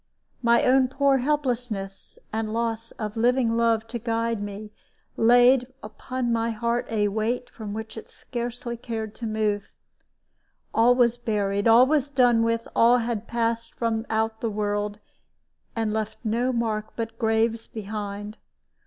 My own poor helplessness, and loss of living love to guide me, laid upon my heart a weight from which it scarcely cared to move. All was buried, all was done with, all had passed from out the world, and left no mark but graves behind.